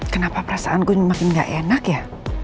kenapa perasaanku makin gak enak ya